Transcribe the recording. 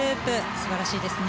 素晴らしいですね。